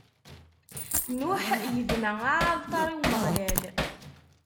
Nuḥ ibna aɛalṭar i Umeɣlal.